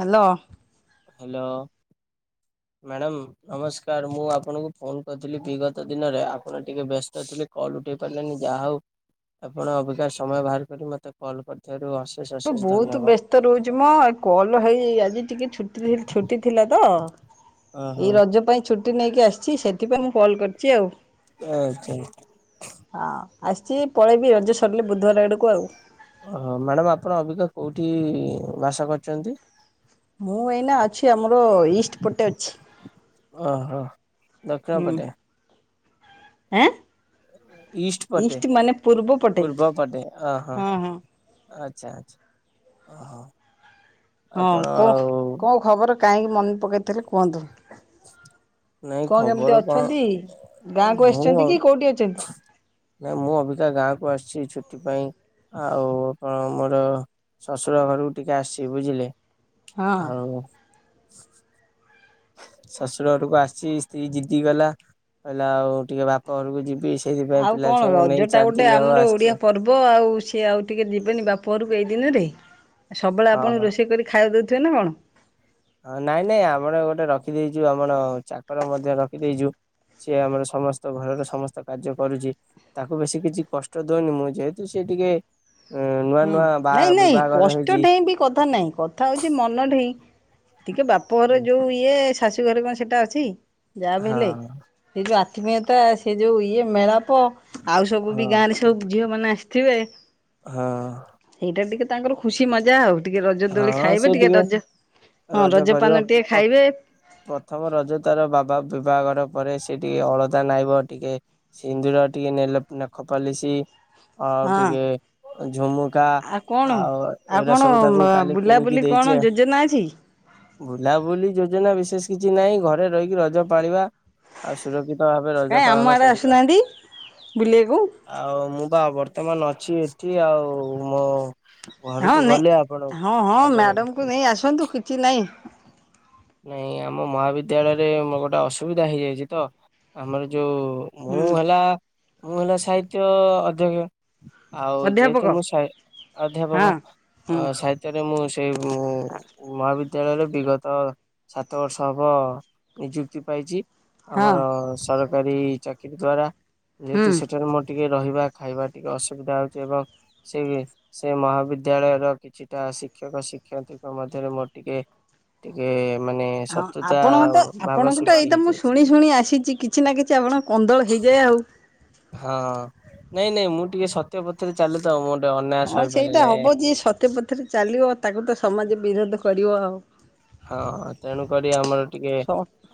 Hello. Hello madam ନମସ୍କାର ମୁଁ ଆପଣଙ୍କୁ ଫୋନ କରିଥିଲି ବିଗତ ଦିନରେ ଆପଣ ଟିକେ ବ୍ୟସ୍ତ ଥିଲେ କଲ୍ ଉଠେଇ ପାରିଲେନି ଯାହା ହଉ ଆପଣ ଅବିକା ସମୟ ବାହାର କରି ମତେ କଲ୍ କରିଥିବାରୁ ଅଶେଷ ମୁଁ ଅଶେଷ ବହୁତ ଧନ୍ୟବାଦ। ବ୍ୟସ୍ତ ରହୁଚି ମ ଏଇ କଲ ହେଇ। [unintelligible] [unintelligible] ଛୁଟି ଥିଲା। ତ। ଓହୋ ଏଇ ରଜ ପାଇଁ ଛୁଟ୍ ଛୁଟି ନେଇକି ଆସିଛି ସେଥିପାଇଁ ମୁଁ କଲ୍ କରିଛି ଆଉ। ଆଚ୍ଛା। ହଁ ଆସିଛି ପଳେଇବି ରଜ ସରିଲେ ବୁଧବାର ଆଡ଼କୁ ଆଉ। ଓହୋ ମ୍ୟାଡ଼ାାମ ଆପଣ ଅବିକା କୋଉଠି ବାସ କରୁଛନ୍ତି? ମୁଁ ଏଇନା ଅଛି। ଆମର ଇଷ୍ଟ ପଟେ ଅଛି, ଓହୋ ଦକ୍ଷିଣ ହୁଁ। ପଟେ ହେଁ? ଇଷ୍ଟ ପଟେ ପଟେ ପୂର୍ବ ପଟେ ଅ ହଁ ଆଛା। ଆଚ୍ଛା ଆଚଛା ଅ ହୋ। ହଁ କଣ କଣ ଖବର? କାହିଁକି ମନେ ପକାଇଥିଲି କୁହନ୍ତୁ। ନାଇଁ କଣ କେମିତି ଖବର କଣ? ଅଛନ୍ତି ଗାଁକୁ ମୁଁ, ଆସିଛନ୍ତି କି କୋଉଠି ଅଛନ୍ତି? ନାଇଁ ମୁଁ ଅବିକା ଗାଁକୁ ଆସଚି ଛୁ ଟି ପାଇଁ ଆଉ ଆପଣ ମୋର ଶଶୁର ଘରୁକୁ ଟିକେ ଆସିଚି ବୁଝିଲେ। ହଁ। ହଉ। ଶଶୁର ଘରୁକୁ ଆସିଛି ସ୍ତ୍ରୀ ଜିଦି କଲା କହିଲା ଆଉ ଟିକେ ବାପ ଘରୁକୁ ଯି ଆଉ କଣ ରଜଟା ଗୋଟେ ହବ ଆମର ଆସିଛି ଓଡ଼ିଆ ପର୍ବ ଆଉ ସିଏ ଆଉ ଟିକେ ଯିବେନି ବାପ ଘରୁ??? ଏଇ ଦିନରେ? ଆ ସବୁବେଳେ ହଁ ଆପଣ ହଁ। ରୋଷେଇ କରି ଖାଇବା ଦଉ ଥୁଏ ନାଁ କଣ? ହଁ ନାଇଁ ନାଇଁ ଆମର ଗୋଟେ ରଖିଦେଇଚୁ ଆମର ଚାକର ମଧ୍ୟ ରଖିଦେଇଚୁ। ସିଏ ଆମର ସମସ୍ତ ଘରର ସମସ୍ତ କାର୍ଯ୍ୟ କରୁଚି। ତାକୁ ବେଶୀ କିଛି କଷ୍ଟ ଦଉନି ମୁଁ ଯେହେତୁ ସିଏ ଟିକେ ଉ ନୂଆ ହୁଁ ନୂଆ ବା ନାଇଁ ନାଇଁ ବିବାହଘର କଷ୍ଟ ହେଇଛି। ଢେଇଁ ବି କଥା ନାଇଁ କଥା ହଉଚି ମନ ଠି। ଟିକେ ବାପ ଘର ହଁ ଯୋଉ ଇଏ ଶାଶୁ ଘରେ କଁ ସେଟା ଅଛି? ଯାହା ବି ହେଲେ ସେ ଯାଆ ତୁମେ ତ ସେ ଯଉ ଇଏ ମେଳାପ ଆଉ ସବୁ ହଁ ବି ଗାଁରେ ସବୁ ଝିଅମାନେ ସ୍ ଥିବେ। ହଁ। ତାଙ୍କର ଖୁସି ମଜା ଆଉ। ଟିକେ ରଜ ଦୋଳି ହଁ ଖାଇବେ ସିଏ ଟିକେ ରଜ ଟିକେ ହଁ ରଜ ରଜପାନ କରିବ। ଟିକେ ଖାଇବେ ପ୍ରଥ ପ୍ରଥମ ରଜ ତାର ବାବା ବିବାଘର ପରେ ସିଏ ଟିକେ ଅଳତା ନାଇବ। ଟିକେ ସିନ୍ଦୁର ଟିକେ ନେଲ ନଖପାଲିସି ଆଉ ହଁ। ଟିକେ ଝୁମୁ ଆଉ କଣ ଆଉ କଣ ମ ତାକୁ କାଲି କିଣିକି ବୁଲାବୁଲି ଦେଇଛି କଣ ଆଉ। ଯୋଜନା ଅଛି? ବୁଲାବୁଲି ତ ଭାବେ ରଜ କାଇଁ ଆମ ପାଳନ ଆଡ଼େ କରିବା, ଆସୁନାହାନ୍ତି ବୁଲିବାକୁ ଆଉ ମୁଁ ପା ବର୍ ତମ ନଛି ଏଠି ଆଉ ମୋ ହଁ ଘରୁକୁ ନାଇଁ ଗଲେ ଆପଣ ହଁ ହଁ ଆପଣଙ୍କୁ ମେଡ଼ମକୁ ନେଇ ଆସନ୍ତୁ କିଛି ନାହିଁ। [inaudible] ନାଇଁ ଆମ ମହାବିଦ୍ୟାଳୟରେ ମୋର ଗୋଟେ ଅସୁବିଧା ହେଇଯାଇଚି ତ ଆମର ଯୋଉ ଉ ମୁଁ ହୁଁ ହେଲା ମହିଳା ସାହିତ୍ୟ ଅଧ୍ୟକ୍ଷ ଆଉ ଅଧ୍ୟାପକ ଯେହେତୁ ମୁଁ ସାହି ହଁ ଅଧ୍ୟାପକ ହୁଁ ସାହିତ୍ୟରେ ମୁଁ ସେ ମହାବିଦ୍ୟାଳୟରେ ବିଗତ ସାତ ବର୍ଷ ହବ ନିଯୁକ୍ତି ପାଇଚି। ହଁ ଆମର ସରକାରୀ ଚା କି ଦ୍ଵାରା ହୁଁ। ଯେହେତୁ ସେଟାରେ ମୋ ଟିକେ ରହିବା ଖାଇବା ଟିକେ ଅସୁବିଧା ହଉଚି ଏବଂ ସେ ସେ ମହାବିଦ୍ୟାଳୟର କିଛିଟା ଶିକ୍ଷକ ଶିକ୍ଷୟିତ୍ରୀଙ୍କ ମଧ୍ୟରେ ମୋର ଟିକେ ଟିକେ ମାନେ ହଁ ଶତ୍ରୁତା ଆପଣ ତ ଭାବ ଆପଣଙ୍କ ତ ସୃଷ୍ଟି ଏଇତ ମୁଁ ହେଇଯାଇଛି। ଶୁଣି ଶୁଣି ଆସିଚି କିଛି ନା କିଛି ଆପଣଙ୍କ କନ୍ଦଳ ହେଇଯାଏ ଆଉ। ହଁ ନାଇଁ ନାଇଁ ମୁଁ ଟିକେ ସତ୍ୟ ପଥରେ ଚାଲେ ତ ମୋର ହଁ ସେଇଟା ହବ ଯିଏ ସତ୍ୟ ପଥରେ ଚାଲିବ ତାକୁ ତ ସମାଜ ବିରୋଧ କରିବ। ହ ହଁ ତେଣୁକରି ଆମର ଟିକେ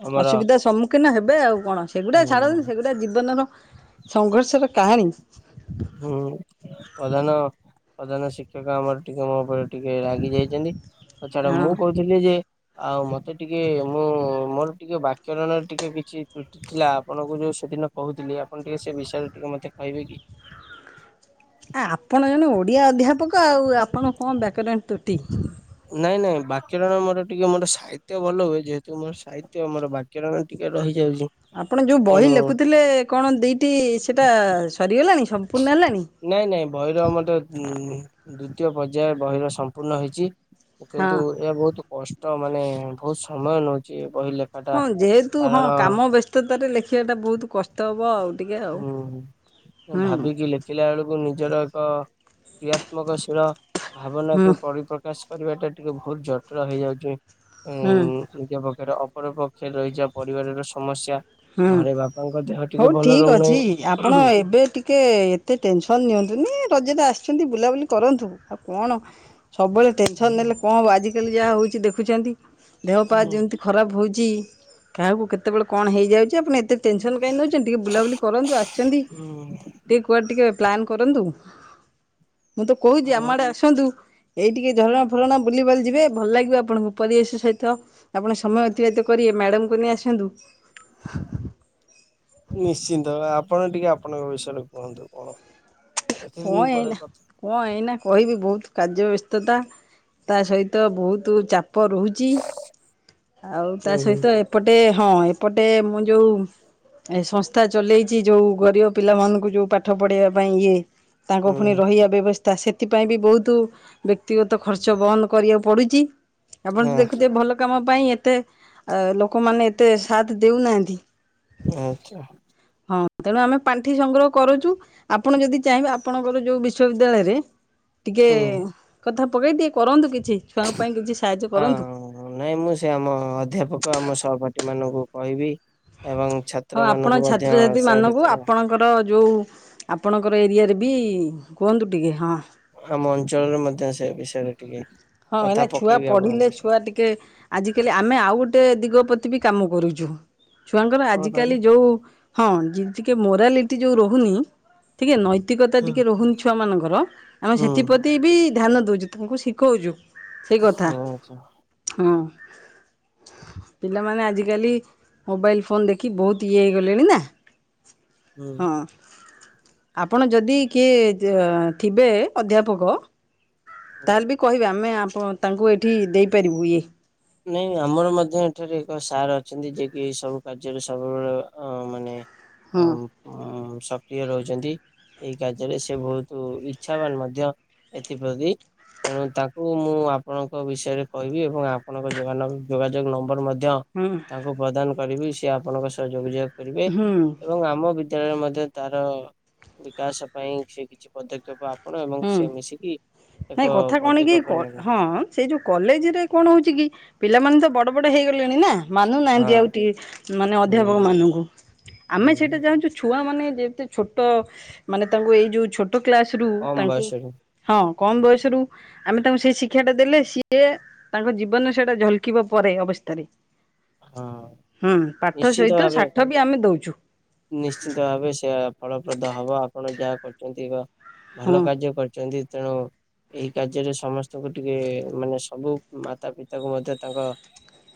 ଆମର ଅସୁବିଧା ସମ୍ମୁଖୀନ ହେବେ ଆଉ କଣ ସେଗୁଡା ଛାଡ଼ନ୍ତୁ ହୁଁ ସେଗୁଡାକ ଜୀବନର ସଂଘର୍ଷର କାହାଣୀ ହୁଁ। ପ୍ରଧାନ ପ୍ରଧାନ ଶିକ୍ଷକ ଆମର ଟିକେ ମୋ ଉପରେ ଟିକେ ରାଗି ଯାଇଚନ୍ତି ଛାଡ, ମୁଁ ହଁ କହୁଥିଲି ଯେ ଆଉ ମତେ ଟିକେ ମୁଁ ମୋର ଟିକେ ବାକ୍ୟରଣରେ ଟିକେ କିଛି ତ୍ରୁଟି ଥିଲା, ଆପଣଙ୍କୁ ଯଉ ସେଦିନ କହୁଥିଲି ଆପଣ ଟିକେ ସେ ବିଷୟରେ ଟିକେ ମତେ କହିବେ କି? ଆ ଆପଣ ଜଣେ ଓଡିଆ ଅଧ୍ୟାପକ ଆଉ ଆପଣ କଣ ବ୍ୟାକରଣ ତ୍ରୁଟି ନାଇଁ ନାଇଁ ବାକ୍ୟରଣ ମୋର ଟିକେ ମୋର ସାହିତ୍ୟ ଭଲ ହୁଏ, ଯେହେତୁ ମୋର ସାହିତ୍ୟ ମୋର ବାକ୍ୟରଣ ଟିକେ ରହିଛ ଆପଣ ଯଉ ବହି ଲେଖୁଥିଲେ, କଣ ଦିଟି ସେଇଟା ସରିଗଲାଣି? ସମ୍ପୂର୍ଣ୍ଣ ହେଲାଣି ନାଇଁ ନାଇଁ ଭୟର ଆମ ତ ଉଁ ଦ୍ଵିତୀୟ ପର୍ଯ୍ୟାୟ ବହିର ସମ୍ପୂର୍ଣ୍ଣ ହେଇଚି। ହଁ କିନ୍ତୁ ଏହା ବହୁତ କଷ୍ଟ। ତ ମାନେ ବହୁତ ସମୟ ନଉଚି। ହଁ ଯେହେତୁ ହଁ କାମ ବ୍ୟସ୍ତତାରେ ଲେଖିବା ଟା ବହୁତ କଷ୍ଟ ହବ ଆଉ। ଟିକେ ଆଉ ହୁଁ ହୁ ଆ ହୁଁ ଭାବିକି ଲେଖିଲା ବେଳକୁ ନିଜର ର କ୍ରିୟାତ୍ମକଶିଳ ଭାବନା ହୁଁ କୁ ପରିପ୍ରକାଶ ପରିବା ଟା ଟିକେ ବହୁତ ଜଟିଳ ହେଇଯାଉଛି। ହୁଁ ନିଜ ଅପରପକ୍ଷରେ ରହିଯଇଚିା ପରିବାରର ସମସ୍ୟା। ହୁଁ ଘରେ ବାପାଙ୍କ ଦେହ ଟିକେ ହଉ ଭଲ ଠିକ୍ ରହୁନାହିଁ। ଅଛି ଆପଣ ଏବେ ଟିକେ ଏତେ ଟେନସନ୍ ନିଅନ୍ତୁନି ରଜତା ଆସି ସେମିତି ବୁଲାବୁଲି କରନ୍ତୁ ଆଉ କଣ ସବୁବେଳେ ଟେନସନ ହୁଁ ନେଲେ କଣବ ଆଜି ଆଜିକାଲି ଯାହା ହେଉଛି ଦେଖୁଛନ୍ତି। ଦେହ ପା ଯେମତି ଖରାପ ହଉଛି। କାହାକୁ କେତେବେଳେ କଣ ହେଇଯା [unintelligible] ଟେନସନ୍ କାହିଁ ନେଉଛନ୍ତି ଟିକିେ ବୁଲାବୁଲି କରନ୍ତୁ। ଆସିଛନ୍ତି ହୁଁ ଟିକେ କୁଆଡ଼େ ଟିକେ ପ୍ଲାନ୍ କରନ୍ତୁ। ମୁଁ ତ କହୁଛି ଆମ ଆଉ ଆଡେ ଆସନ୍ତୁ। ଏଇ ଟିକେ ଝରଣା ଫରବୁଲିବାୁଲି ଯିବେ ଭଲ ଲାଗିବ। ଆପଣଙ୍କୁ ପରିବେଶ ସହିତ ଆପଣ ସମୟ ଅତିବାହିତ କରିବେ ମ୍ୟାଡ଼ମ୍କୁ ନେଇ ଆସନ୍ତୁ। [inaudible] ନିଶ୍ଚିନ୍ତ ଆପଣ ଟିକେ ଆପଣଙ୍କ ବିଷୟରେ କୁହନ୍ତୁ କଣ? ଏତେ ଦିନ କଁ ପରେ ଏଇନା କଥା କଁ ଏଇନା କହିବି ବହୁତ କାର୍ଯ୍ୟ ବ୍ୟସ୍ତତା ତା ସହିତ ବହୁତ ଚାପ ପ ରହୁଛି। ଆଉ ତା ହୁଁ ହୁଁ ସହିତ ଏପଟେ ହଁ ଏପଟେ ମୁଁ ଯୋଉ ଏ ସଂସ୍ଥା ଚଲେଇଛି ଯୋଉ ଗରିବ ପିଲାମାନଙ୍କୁ ଯୋଉ ପାଠ ପଢେଇବା ପାଇଁ ଇଏ ତାଙ୍କ ପୁଣି ହୁଁ ରହିବା ବ୍ୟବସ୍ଥା ତା ସେଥିପାଇଁ ବି ବହୁତ ବ୍ୟକ୍ତିଗତ ଖର୍ଚ୍ଚ ବନ୍ଦ କରିବାକୁ ପଡୁଚି। ଆପଣ ତ ହଁ ଦେଖୁଥିବେ ଭଲ କାମ ପାଇଁ ଏତେ ଆ ଲୋକମାନେ ଏତେ ସାଥ ଦେଉନାହାନ୍ତି ଆଚ୍ଛା [inaudible] ହଁ। ତେଣୁ ଆମେ ପାଣ୍ଠି ସଂଗ୍ରହ କରୁଛୁ ଆପଣ ଯଦି ଚାହିଁବେ ଆପଣଙ୍କର ଯୋଉ ବିଶ୍ବିଦ୍ୟାଳୟରେ ଟିକେ ହୁଁ। କଥା ପକେଇ ଟିଏ କରନ୍ତୁ କି ଛି ଛୁଆଙ୍କ ପାଇଁ କିଛି ସାହାଯ୍ୟ କରନ୍ତୁ। ହଁ ନାଇଁ ମୁଁ ସେ ଆମ ଅଧ୍ୟାପକ ଆମ ସହପାଠୀ ମାନଙ୍କୁ କହିବି ଏବଂ ହଁ ଛାତ୍ର ଆପଣ ମାନଙ୍କୁ ମଧ୍ୟ ସେ ଭିତରେ ଯେଉଁ ଆପଣଙ୍କର ଏରିଆରେ ବି କୁହନ୍ତୁ ଟିକେ ହଁ। ଆମ ଅଞ୍ଚଳରେ ମଧ୍ୟ ସେ ବିଷୟରେ ଟିକେ ହଁ କଥା ମ ଛୁଆ ପକେଇବି ଆପଣଙ୍କ ପଢିଲେ ବିଷୟରେ ଛୁଆ ଟିକେ ଆଜିକାଲି ଆମେ ଆଉ ଗୋଟେ ଦ ଦିଗ ପ୍ରତି ବି କାମ କରୁଛୁ। ଛୁଆଙ୍କର କଣ ଆଜିକାଲି କହିଲେ? ଯୋଉ ହଁ। ଟିକେ ମୋରାଲିଟି ଯୋଉ ରହୁନି ଟିକେ ନୈତ୍ ପ୍ରତିକତା ହୁଁ ଟିକେ ରହୁନି ଛୁଆମାନଙ୍କୁ କର ଆମେ ସେଥିପ୍ରତି ବି ଧ୍ୟାନ ଦେଉଛୁ ତାଙ୍କୁ ଶିଖଉଛୁ। ସେଇ କଥା ଆଚ୍ଛା ହୁଁ। ପିଲାମାନେ ଆଜିକାଲି ମୋବାଇଲ୍ ଫୋନ୍ ଦେଖି ବହୁତ ଇଏ ହେଇଗଲେଣି ନା ହୁଁ। ହଁ। ଆପଣ ଯଦି କିଏ ଥିବେ ଅଧ୍ୟାପକ ତାହେଲେ ବି କହିବେ ଆମେ ଆମ୍ ହଁ ତାଙ୍କୁ ଏଇଠି ଦେଇପାରିବୁ ଇଏ ନାଇଁ ଆମର ମଧ୍ୟ ଏଠାରେ ଏକ ସାର୍ ଅଛନ୍ତି ଯିଏକି ସବୁ କାର୍ଯ୍ୟରେ ସବୁବେଳେ ଅ ମାନେ ଓ ହଁ ହ [unintelligible] ସକ୍ରିୟ ରହିଛନ୍ତି ଏଇ କାର୍ଯ୍ୟରେ ସେ ବହୁତ ଇଚ୍ଛାବାନ୍ ମଧ୍ୟ ଏଥିପ୍ରତି ତେଣୁ ତାଙ୍କୁ ମୁଁ ଆପଣଙ୍କ ବିଷୟରେ କହିବି ଏବଂ ଅପ୍ ଯୋଗାଯୋଗ ନମ୍ବର ମଧ୍ ମଧ୍ୟ ହୁଁ। ତାଙ୍କୁ ପ୍ରଦାନ କରିବି ଇସ୍ ସେ ଆପଣଙ୍କ ସହ ଯୋଗାଯଗ କରିବେ ହୁଁ ଏବମ୍ ଆମ ବିଦ୍ୟାଳୟରେ ମଧ୍ୟ ତାର ବିକାଶ ପାଇଁ ସେ କିଛି ପଦକ୍ଷେପ ଆବ କଣ ଏବମ୍ ହୁଁ ସେ ମିଶିକି ଏକ ନାଇଁ କଥା କଣ କି ପଦକ୍ଷେପ ନେବେ। ହଁ ସେଇ ଯୋଉ କଲେଜ ରେ କଣ କହୁଚି କି ପିଲା ମାନେ ତ ବଡ଼ ବଡ଼ ହେଇଗ ଇଗଲେଣି ନା ମାନୁନାହାନ୍ତି ହଁ ଆଉ ଟି ହୁଁ ଅଧ୍ୟାପକ ମାନଙ୍କୁ ଆମେ ହୁଁ ସେଟା ଚାହୁଁଛୁ ଛୁଆ ମାନେ ଯେମତି ଛୋଟ ମାନେ ତାଙ୍କୁ ଏଇ ଯୋଉ ଛୋଟ ଛୋଟ କ୍ଲାସ୍ ରୁ କମ ତାଙ୍କୁ ବୟସରୁ ହଁ। କମ୍ ବୟସରୁ ଆମେ ତାଙ୍କୁ ସେଇ ଶିକ୍ଷାଟା ଦେଲେ ସିଏ ତାଙ୍କ ଜୀବନେ ସେଇଟା ଝଲକିବ ପରେ ଅବସ୍ଥାରେ। ହଁ ହୁଁ ପାଠ ନିଶ୍ଚିନ୍ତ ସହିତ ଭାବେ ସାଠ ବି ଆମେ ଦଉଛୁ ନିଶ୍ଚିନ୍ତ ଭାବେ ସେଇୟା ଫଳ ପ୍ରଦ ହବ ଆପଣ ଯାହା କରୁଛନ୍ତି ବା ହଁ ଭଲ କାର୍ଯ୍ୟ କରିଛନ୍ତି। ତେଣୁ ଏହି କାର୍ଯ୍ୟରେ ସମସ୍ତଙ୍କୁ ଟିକେ ଏ ମାନେ ସବୁ ମାତା ପିତାକୁ ମଧ୍ୟ ତାଙ୍କ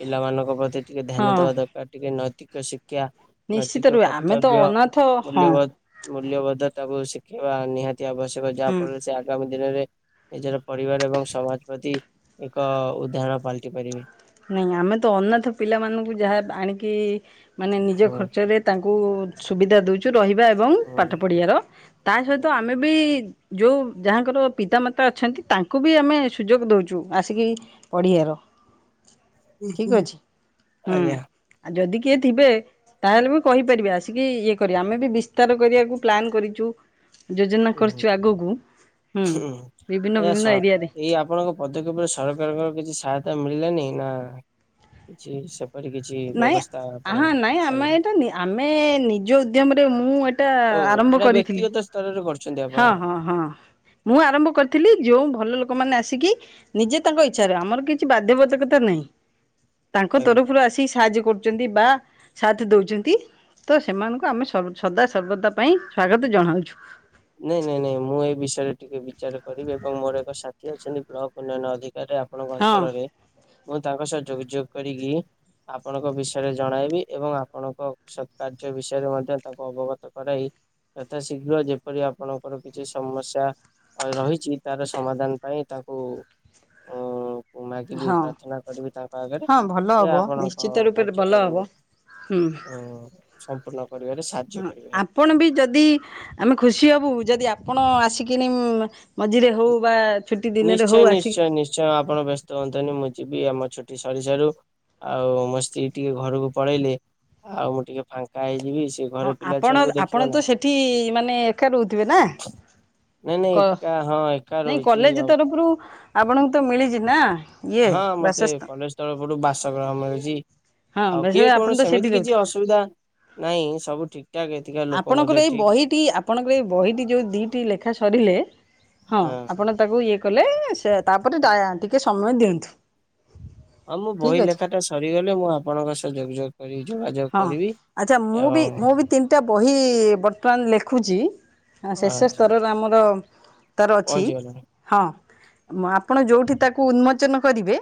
ପିଲାମାନଙ୍କ ପତ୍ ଟିକେ ଧ୍ୟାନ ହଁ ଦେବା ଦରକାର ଟିକେ ନ ଠିକ୍ ଅଛି। ନିଶ୍ଚିତ ରୁହେ ଆମେ ତ ଅନାଥ ହଁ। ମୂଲ୍ୟବୋଧ ମୂଲ୍ୟବୋଧ ତାକୁ ଶିଖେଇବା ନିହାତି ତି ଆବଶ୍ୟକ ହୁଁ ଯାହାଫଳରେ ସେ ଆଗ ଦିନରେ ନିଜର ପରିବାର ଏବଂ ସମାଜ ପ୍ରତି ଏକ ଉଦାହରଣ ପାଲଟି ପାରିବେ। ନାଇଁ ଆମେ ତ ଅନାଥ ପିଲାମାନଙ୍କୁ ଯାହା ଆଣିକି? ମାନେ ନିଜ ହଁ ଖର୍ଚ୍ଚରେ ତାଙ୍କ କୁ ସୁବିଧା ଦଉଛୁ। ରହିବା ଏବଂ ହଁ। ପାଠ ପଢ଼ିବାର ତା ହଁ। ସହିତ ଆମେ ବି ଯୋଉ ଯାହାଙ୍କର ପିତାମାତା ଅଛନ୍ତି ତାଙ୍କୁ ବି ଆମେ ସୁଯୋଗ ଦଉଛୁ ଆସିକି ପଢିବାର। ହୁଁ ହୁଁ। ଠିକ ଅଛି ହୁଁ ଆଜ୍ଞା ଯଦି କିଏ ଥିବେ ତାହେଲେ ମୁ କହିପାରିବେ ଆସିକି ଇଏ କରୀବେ ଆମେ ବି ବିସ୍ତାର କରିବାକୁ ପ୍ଲାନ୍ କରିଛୁ। ଯୋଜନା କରିଛୁ ଆଗକୁ ହୁଁ ବିଭିନ୍ନ ହୁଁଏହା ବିଭିନ୍ନ ସର ଏରିଆରେ ଏଇ ଆପଣଙ୍କ ପଦକ୍ଷେପରେ ସରକାରଙ୍କ କିଛି ସହାୟ ମିଳିଲନି ନା କିଛି ସ୍ ନାଇଁ ହ ନାଇଁ କଲ ଆମେ ଏଇଟା ଆମେ ନିଜ ଉଦ୍ୟମ ରେ ମୁଁ ଏଇଟା ଓ ଆରମ୍ଭ ଏଟ କରିଥିଲି। ବ୍ୟକ୍ତିଗତ ସ୍ତରରେ କର ହଁ ହଁ ହଁ ମୁଁ ଆରମ୍ଭ କରିଥିଲି ଯୋଉ ଭଲ ଲୋକ ମାନେ ଆସିକି ନିଜେ ତାଙ୍କ ଇଚ୍ଛାରେ ଆମର କିଛି ବାଧ୍ୟବାଧକତା ନାହିଁ। ତାଙ୍କ ଆଜ୍ଞା। ତରଫରୁ ଆସିକି ସାହାଯ୍ୟ କରୁ ବା ସାଥ ଦଉଛନ୍ତି ତ ସେମାନଙ୍କୁ ଆମେ ସଦା ସର୍ବଦା ପାଇଁ ସ୍ଵାଗତ ଜଣାଉଛୁ। ନାଇଁ ନାଇଁ ନାଇଁ ମୁଁ ଏ ବିଷୟରେ ଟିକେ ବିଚାର କରିବି ଏବଂ ମୋର ଏକ ସାଥି ଅଛନ୍ତି ବ୍ଲକ ଉନ୍ନୟନ ଅଧି ଆପଣଙ୍କ ହଁ ଅଞ୍ଚଳରେ ମୁଁ ତାଙ୍କ ସହ ଯୋଗାଯୋଗ କରିକି ଆପଣଙ୍କ ବିଷୟରେ ଜଣାଇବି ଏବଂ ଆପଣଙ୍କ ସତ୍ କାର୍ଯ୍ୟ ବିଷୟରେ ମଧ୍ୟ ତାଙ୍କୁ ଅବଗତ କରାଇ ଯଥାଶୀଘ୍ର ଯେ ଯେପରି ଆପଣଙ୍କର କିଛି ସମସ୍ୟା ରହିଛି ତାର ସମାଧାନ ପାଇଁ ତାକୁ ମାଗିବି ହଁ ପ୍ରାର୍ଥନା କରିବି ତାଙ୍କ ଆଗରେ ହଁ ଭଲ ସେ ହବ ଆପଣଙ୍କ ନିଶ୍ଚିତ ରୂପରେ ଭଲ କାର୍ଯ୍ୟଟାକୁ ହବ ହୁଁ। ଉ ସମ୍ପୂଣ୍ଣ ହଁ ଆପଣ ବି ଯଦି ଆମେ ଖୁସି ହବୁ ଯଦି ଆପଣ ଆସିକିନି ମଝିରେ ହଉ ବା ଛୁଟି ଦିନରେ ହଉ ନିଶ୍ଚୟ ଆସିକି ନିଶ୍ଚୟ ନିଶ୍ଚୟ ଆପଣ ବ୍ୟସ୍ତ ହୁଅନ୍ତନି ମୁଁ ଯିବି। ବି ଆମ ଛୁଟି ସରିଷାରୁ ଆଉ ମୋ ସ୍ତ୍ରୀ ଟିକେ ଘରକୁ ପଳେଇଲେ ଆଉ ମୁଁ ଟିକେ ଫାଙ୍କା ହେଇ ହଁ ଆପଣ ଆପଣ ତ ସେଠି ମାନେ ଏକା ରହୁଥିବେ ନା ନାଇଁ ନାଇଁ କ ଏକା ହଁ ଏକା ନାଇଁ ରହୁଛି କଲେଜ ଆଉ ତରଫରୁ ଆପଣଙ୍କୁ ତ ମିଳିଛି ନା ଇଏ ହଁ ମତେ ବାସସ୍ଥାନ କଲେଜ ତରଫରୁ ବାସଗ୍ରହ ମିଳିଛି। ହଁ ଆଉ ବାସ କିଏ ଆପଣ କଣ ତ ସେଠି ସେମିତି କିଛି ରହୁଥିବେ ଅସୁବିଧା ନାହିଁ ସବୁ ଠିକଠାକ। ଆପଣଙ୍କର ଏଇ ବହିଟି ଆପଣଙ୍କର ଏଇ ବହିଟି ଯୋଉ ଦିଟି ଲେଖା ସରିଲେ। ହଁ ଆପଣ ତାକୁ ଇଏ କଲେ ସେ ତାପରେ ଟିକେ ସମୟ ଦିଅନ୍ତୁ। ହଁ ମୁଁ ବହି ଠିକ୍ ଅଛି ଲେଖା ଟା ସରିଗଲେ ମୁଁ ଆପଣଙ୍କ ସହ ଯୋଗଯୋଗ ହଁ ଆଛା ମୁଁ ବି ମୁଁ ବି ତିନିଟା ବହି ବର୍ତ୍ତମାନ ଲେଖ ଲେଖୁଛି। ହଁ ଶେର୍ଷ ଆଚ୍ଛା ସ୍ତରରେ ଆମର ତାର ଅଛି ପହଞ୍ଚିଗଲାଣି ହଁ। ଆପଣ ଯୋଉଠି ତାକୁ ଉନ୍ମୋଚନ କରିବେ।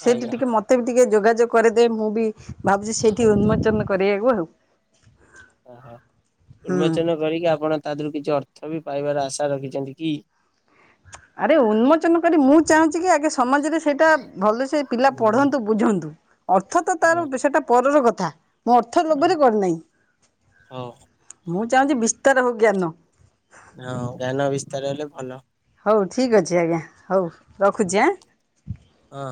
ସେଠି ଆଜ୍ଞା ଟିକେ ମତେ ବି ଟିକେ ଯୋଗାଯ କରିଦେ ମୁଁ ବି ଭାବୁ ଉନ୍ମଚନ କରିବାକୁ ଆଉ ଓହୋ ହୁଁ। ଉନ୍ମୋଚନ କରିକି ଆପଣ ତା ଦେହରୁ କିଛି ଅର୍ଥ ବି ପାଇବାର ଆଶା ରଖିଛନ୍ତି କି? ଆରେ ଉନ୍ମୋଚନ କରି ମୁଁ ଚାହୁଁଛି କି ଆଗେ ସମାଜରେ ସେଇଟା ଭଲ ସେେ ପିଲା ହୁଁ, ପଢନ୍ତୁ ବୁଝନ୍ତୁ ଅର୍ଥ ତ ତାର ସେଇଟା ପରର କଥା। ଥା। ମୁଁ ଅର୍ଥ ଲୋଭରେ କରିନାହିଁ। ହଉ ମୁଁ ଚାହୁଁଛି ବିସ୍ତାର ହଉ ଜ୍ଞାନ। ହଁ ଜ୍ଞାନ ବିସ୍ତାର ହେଲେ ଭଲ। ହଉ ଠିକ୍ ଅଛି ଆଜ୍ଞା ହଉ। ହଁ ରଖୁଛି ଆଁ। ହଁ।